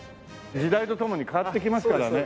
時代と共に変わっていきますからね。